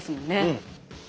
うん。